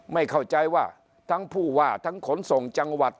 ไม่เข้าใจว่าทั้งผู้ว่าทั้งขนส่งจังหวัด